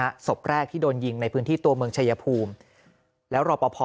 ศพแรกที่โดนยิงในพื้นที่ตัวเมืองชายภูมิแล้วรอปภ